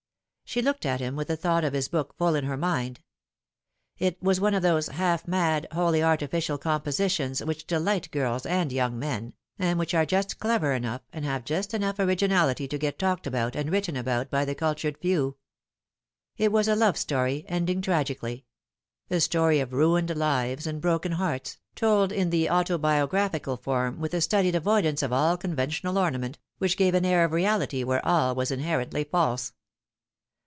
She looked at him with the thought of his book full in her mind. It was one of those half mad, wholly artificial compositions which delight girls and young men, and which are just clever enough, and have just enough originality to get talked about and written about by the cultured few. It was a love story, ending tragically ; a story of ruined lives and broken hearts, told in the autobiographical form, with a studied avoid ance of all conventional ornament, which gave an air of reality where all was inherently false.